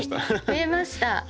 ふえました！